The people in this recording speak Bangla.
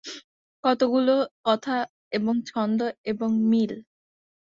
কতকগুলা কথা এবং ছন্দ এবং মিল!